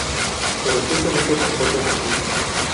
Pero tristemente, tampoco es así.